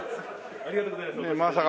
ありがとうございます。